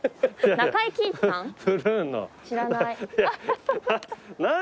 中井貴一さん。